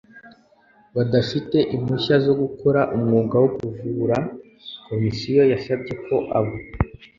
badafite impushya zo gukora umwuga wo kuvura Komisiyo yasabye ko abo